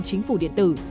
chính phủ điện tử